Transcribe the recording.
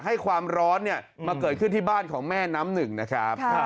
ให้ความร้อนมาเกิดขึ้นที่บ้านของแม่น้ำหนึ่งนะครับ